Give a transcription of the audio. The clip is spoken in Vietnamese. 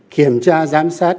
kiểm tra giám sát